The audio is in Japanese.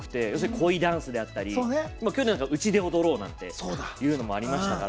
恋ダンスであったり去年だったらうちで踊ろうなんてものもありましたから。